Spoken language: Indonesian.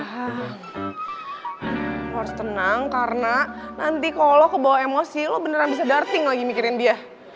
harus tenang karena nanti kalau lo kebawa emosi lo beneran bisa darting lagi mikirin dia